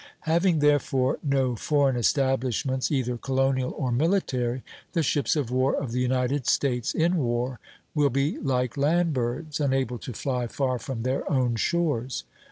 Having therefore no foreign establishments, either colonial or military, the ships of war of the United States, in war, will be like land birds, unable to fly far from their own shores.